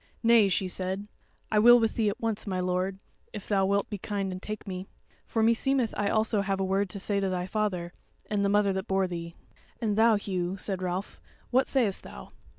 "Nay," she said, "I will with thee at once, my lord, if thou wilt be kind and take me; for meseemeth I also have a word to say to thy father, and the mother that bore thee." "And thou, Hugh," said Ralph, "what sayest thou?"